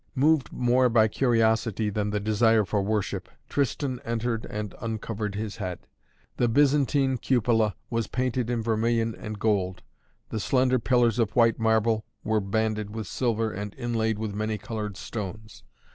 Moved more by curiosity than the desire for worship, Tristan entered and uncovered his head. The Byzantine cupola was painted in vermilion and gold. The slender pillars of white marble were banded with silver and inlaid with many colored stones.